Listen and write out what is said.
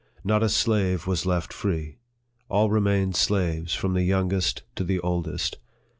Not a slave was left free. All remained slaves, from the youngest to the oldest.